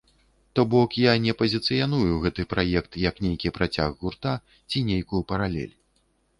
То бок, я не пазіцыяную гэты праект, як нейкі працяг гурта ці нейкую паралель.